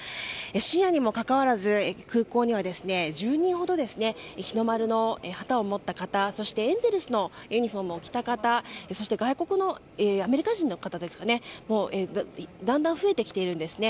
深夜にもかかわらず空港には１０人ほど日の丸の旗を持った方そしてエンゼルスのユニホームを着た方そして外国のアメリカ人の方ですかねだんだん増えてきているんですね。